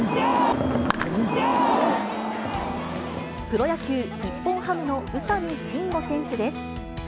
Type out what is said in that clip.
プロ野球・日本ハムの宇佐見真吾選手です。